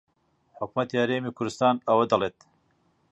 حکوومەتی هەرێمی کوردستان ئەوە دەڵێت